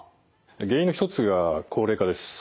原因の一つが高齢化です。